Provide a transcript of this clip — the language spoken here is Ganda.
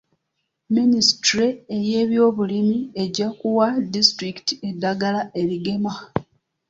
Minisitule y'ebyobulimi ejja kuwa disitulikiti eddagala erigema.